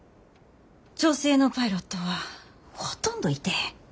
女性のパイロットはほとんどいてへん。